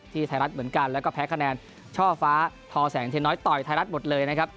ไทยรัฐเหมือนกันแล้วก็แพ้คะแนนช่อฟ้าทอแสงเทน้อยต่อยไทยรัฐหมดเลยนะครับ